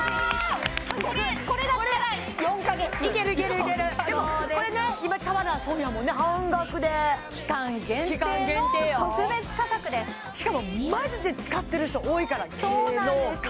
これだったら４か月いけるいけるいけるでもこれね今買わな損やもんね半額で期間限定の特別価格ですしかもマジで使ってる人多いから芸能界！